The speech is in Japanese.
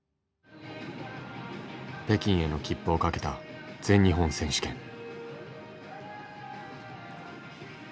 北京への切符をかけた全日本選手権。